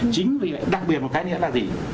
chính vì đặc biệt một cái nữa là gì